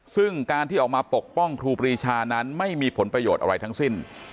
ซึ่งการที่ออกมาปกป้องครูปรีชานั้นไม่มีผลประโยชน์อะไรทั้งสิ้น